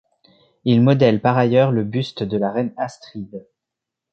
Il modèle par ailleurs le buste de la Reine Astrid.